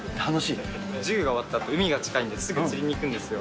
授業が終わったら海が近いんで、すぐ釣りに行くんですよ。